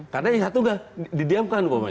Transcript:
karena yang satu nggak didiamkan